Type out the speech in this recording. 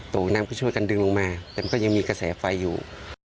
น้ำก็ช่วยกันดึงลงมาแต่มันก็ยังมีกระแสไฟอยู่